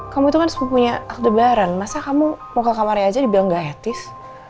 kamu itu kan sepupunya aldebaran masa kamu mau ke kamarnya aja dibilang nggak etis